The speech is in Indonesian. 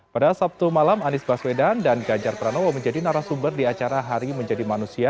pada sabtu malam anies baswedan dan ganjar pranowo menjadi narasumber di acara hari menjadi manusia